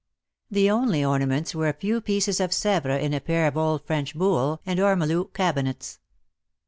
The only ornaments were a few pieces of Sevres in a pair of old French buhl and ormolu cabinets.